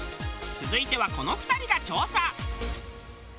続いてはこの２人が調査。